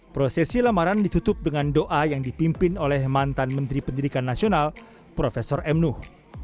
prosesi lamaran ditutup dengan doa yang dipimpin oleh mantan menteri pendidikan nasional prof m nuh